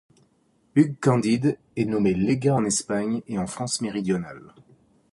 Hugues Candide est nommé légat en Espagne et en France méridionale.